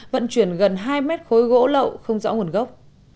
vận chuyển gần hai mét khối gỗ lậu không rõ nguồn gốc